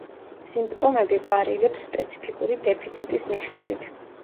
სიმპტომები ვარირებს სპეციფიკური დეფიციტის მიხედვით.